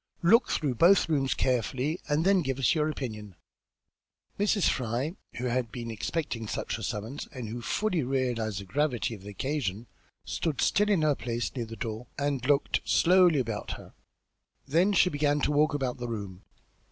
Look through both rooms carefully, and then give us your opinion." Mrs. Fry, who had been expecting just such a summons and who fully realised the gravity of the occasion, stood still in her place near the door and looked slowly about her; then she began to walk about the room.